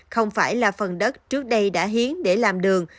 không phải là phần đất trước đây đã hiến để làm đường